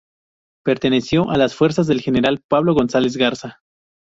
Perteneció a las fuerzas del general Pablo González Garza.